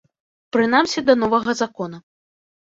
Прынамсі, да новага закона.